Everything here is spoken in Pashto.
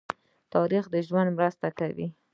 تاریخ د ژوند مرسته کوي.